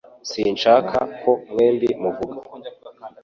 Sinshaka ko mwembi muvuga